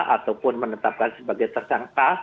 ataupun menetapkan sebagai tersangka